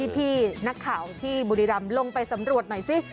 พี่นักข่าวที่บุรีรำลงไปสำรวจหน่อยสิ